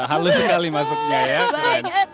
halus sekali masuknya ya